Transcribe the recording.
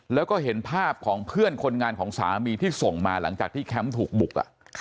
แล้วก็เห็นภาพของเพื่อนคนงานของสามีที่ส่งมาหลังจากที่แคมป์ถูกบุก